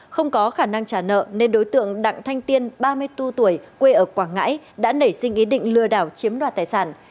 không có khả năng trả nợ nên đối tượng đặng thanh tiên ba mươi bốn tuổi quê ở quảng ngãi đã nảy sinh ý định lừa đảo chiếm đoạt tài sản